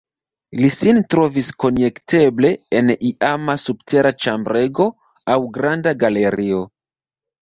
Li sin trovis konjekteble en iama subtera ĉambrego aŭ granda galerio.